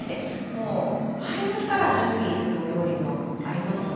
もう前の日から準備するお料理もありますね。